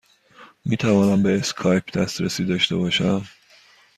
می توانم به اسکایپ دسترسی داشته باشم؟